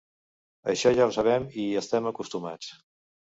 Això ja ho sabem, i hi estem acostumats.